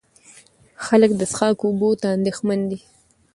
خلک د څښاک اوبو ته اندېښمن دي.